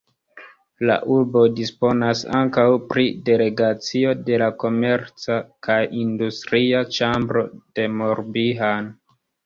La urbo disponas ankaŭ pri delegacio de la komerca kaj industria ĉambro de Morbihan.